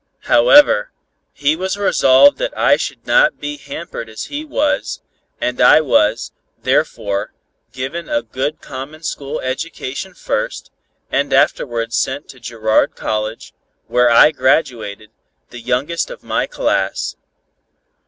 However, he was resolved that I should not be hampered as he was, and I was, therefore, given a good common school education first, and afterwards sent to Girard College, where I graduated, the youngest of my class.